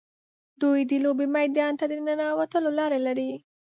دوی د لوبې میدان ته د ننوتلو لارې لري.